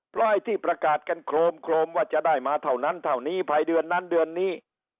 เพราะไอ้ที่ประกาศกันโครมโครมว่าจะได้มาเท่านั้นเท่านี้ภายเดือนนั้นเดือนนี้